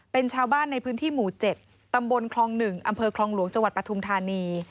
เป็นชาวบ้านในพื้นที่หมู่๗ตำบลคลอง๑อำเภอคลองหลวงจังหวัดปฐุมธานี